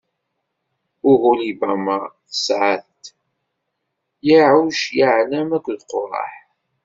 Uhulibama tesɛa-as-d: Yaɛuc, Yaɛlam akked Quraḥ.